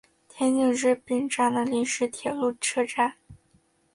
田井之滨站的临时铁路车站。